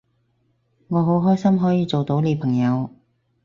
我好開心可以做到你朋友